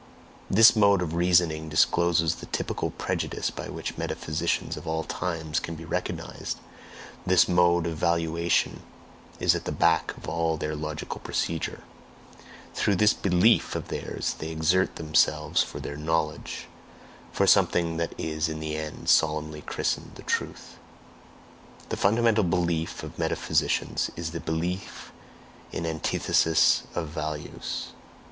This mode of reasoning discloses the typical prejudice by which metaphysicians of all times can be recognized, this mode of valuation is at the back of all their logical procedure; through this "belief" of theirs, they exert themselves for their "knowledge," for something that is in the end solemnly christened "the Truth." The fundamental belief of metaphysicians is THE BELIEF IN ANTITHESES OF VALUES.